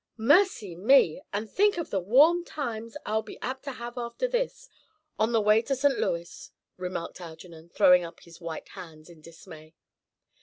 "Mercy me! and think of the warm times I'll be apt to have after this, on the way to St. Louis," remarked Algernon, throwing up his white hands in dismay.